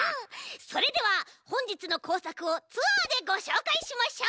それではほんじつのこうさくをツアーでごしょうかいしましょう！